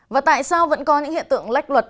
và tại sao vẫn có những hiện tượng lách luật